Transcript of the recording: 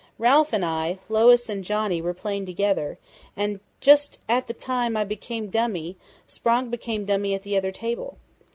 "Ralph and I, Lois and Johnny were playing together, and just at the time I became dummy, Sprague became dummy at the other table.